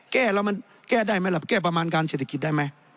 แก้แล้วมันแก้ได้ไหมล่ะแก้ประมาณการเศรษฐกิจได้ไหม